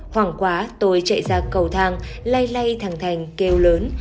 hoảng quá tôi chạy ra cầu thang lay lay thằng thành kêu lớn